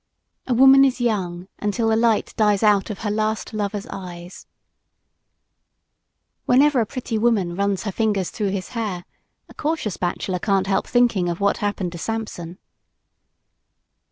A woman is young until the light dies out of her last lover's eyes. Whenever a pretty girl runs her fingers through his hair, a cautious bachelor can't help thinking of what happened to Samson.